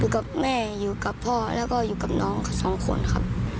กับแม่อยู่กับพ่อแล้วก็อยู่กับน้องสองคนครับ